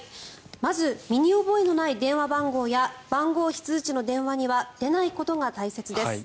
まず、身に覚えのない電話番号や番号非通知の電話には出ないことが大切です。